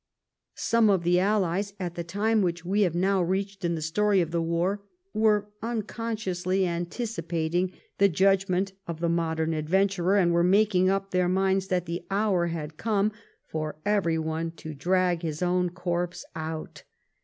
Some of the allies at the time which we have now reached in the story of the war were unconsciously anticipating the judgment of the modern adventurer, and were making up their minds that the hour had come for every one to drag his own corpse out.